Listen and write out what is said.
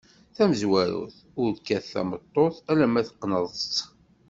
Tamezwarut: Ur kkat tameṭṭut alemma teqneḍ-tt.